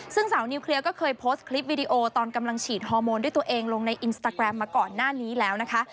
ซึ่งสาวนิวเคลียร์ก็เคยโพสต์คลิปวิดีโอตอนกำลังฉีดฮอร์โมนด้วยตัวเองลงในอินสตาแกรมมาก่อนหน้านี้แล้วนะคะ